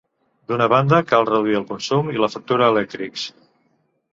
D'una banda, cal reduir el consum i la factura elèctrics.